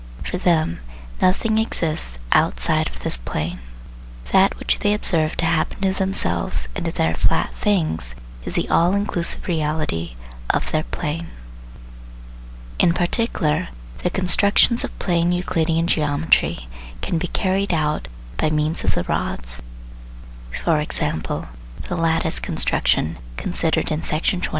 For them nothing exists outside of this plane: that which they observe to happen to themselves and to their flat " things " is the all inclusive reality of their plane. In particular, the constructions of plane Euclidean geometry can be carried out by means of the rods e.g. the lattice construction, considered in Section 24.